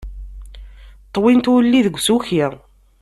Ṭwint wulli deg usuki.